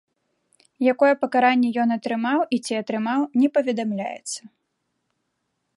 Якое пакаранне ён атрымаў і ці атрымаў, не паведамляецца.